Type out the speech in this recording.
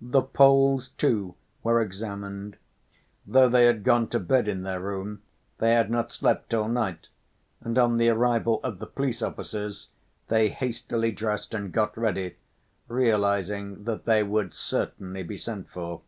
The Poles, too, were examined. Though they had gone to bed in their room, they had not slept all night, and on the arrival of the police officers they hastily dressed and got ready, realizing that they would certainly be sent for.